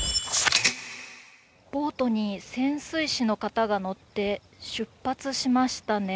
ボートに潜水士の方が乗って出発しましたね。